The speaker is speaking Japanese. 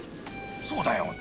［そうだよ。